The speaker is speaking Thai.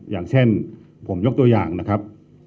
อย่างเช่นผมยกตัวอย่างนะครับ